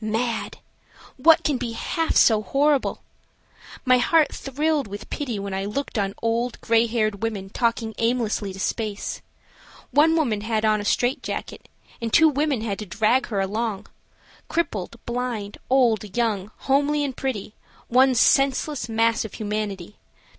Mad! what can be half so horrible? My heart thrilled with pity when I looked on old, gray haired women talking aimlessly to space. One woman had on a straightjacket, and two women had to drag her along. Crippled, blind, old, young, homely, and pretty; one senseless mass of humanity.